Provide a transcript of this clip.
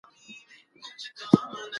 سره ورځ یې پرې جوړه کړه.